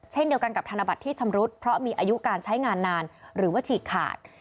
เช่นเดียวกันกับธนบัตรที่ชำรุดเพราะมีอายุการใช้งานนานหรือว่าฉีกขาด